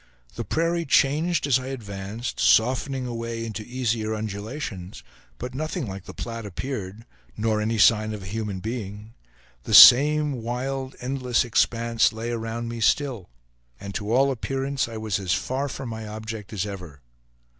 The prairie changed as I advanced, softening away into easier undulations, but nothing like the Platte appeared, nor any sign of a human being; the same wild endless expanse lay around me still; and to all appearance I was as far from my object as ever.